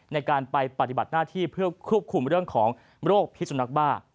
ในการไปปฏิบัติหน้าที่เพื่อควบคุมเรื่องของโรคพิสุนักบ้า